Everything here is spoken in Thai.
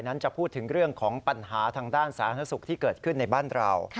นั้นจะพูดถึงเรื่องของปัญหาทางด้านสาธารณสุขที่เกิดขึ้นในบ้านเรา